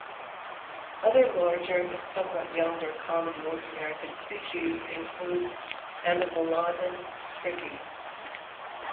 Other larger but somewhat younger common North American species include "Amebelodon fricki".